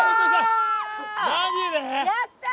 やったー！